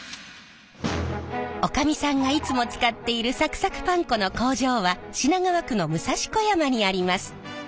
女将さんがいつも使っているサクサクパン粉の工場は品川区の武蔵小山にあります。